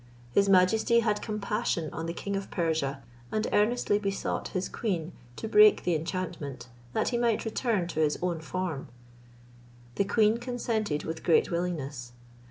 His majesty had compassion on the king of Persia, and earnestly besought his queen to break the enchantment, that he might return to his own form. The queen consented with great willingness.